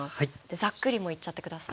ザックリもういっちゃって下さい。